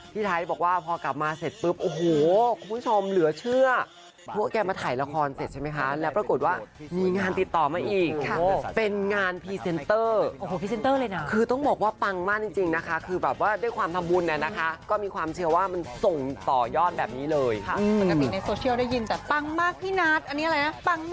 พี่ไทยบอกว่าพอกลับมาเสร็จปุ๊บโหคุณผู้ชมเหลือเชื่อ